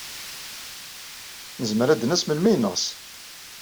Nezmer ad d-nas melmi ay neɣs.